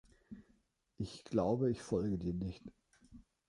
Ich glaube, ich folge dir nicht.